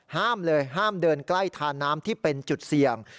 ห้ามเลยห้ามเดินใกล้ทาน้ำที่เป็นจุดเสี่ยง